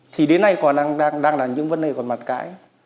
thì đến nay còn đang là những vấn đề còn mặt cãi